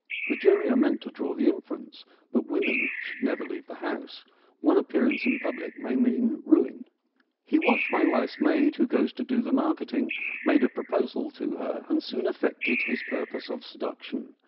(The jury are meant to draw the inference that women should never leave the house : one appearance in public may mean ruin.) He watched my wife's maid who goes to do the mark eting, made a proposal to her, and soon effected his purpose of seduction.